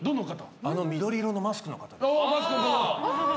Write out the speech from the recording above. あの緑色のマスクの方。